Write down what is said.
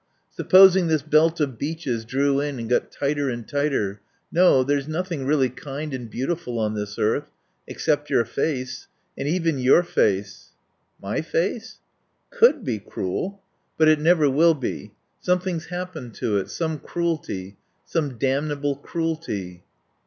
Supposing this belt of beeches drew in and got tighter and tighter No. There's nothing really kind and beautiful on this earth. Except your face. And even your face " "My face? " "Could be cruel. But it never will be. Something's happened to it. Some cruelty. Some damnable cruelty."